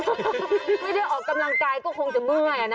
ไม่ได้ออกกำลังกายก็คงจะเมื่อยนะ